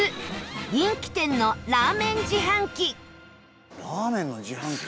人気店のラーメン自販機